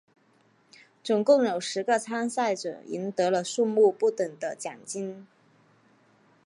总共有十个参赛者赢得了数目不等的奖金。